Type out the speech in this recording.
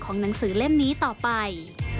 หนังสือเล่มนี้ต่อไป